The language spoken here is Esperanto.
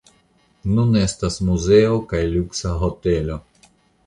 Nun estas muzeo kaj luksa hotelo.